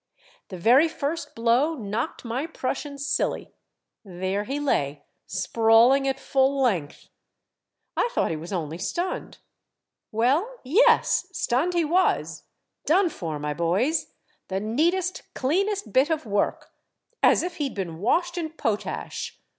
The very first blow knocked my Prussian silly. There he lay, sprawl ing at full length. I thought he was only stunned. Well, yes ! stunned he was, done for, my boys. The neatest, cleanest bit of work !— as if he 'd been washed in potash.